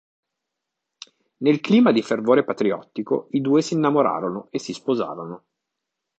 Nel clima di fervore patriottico i due si innamorarono e si sposarono.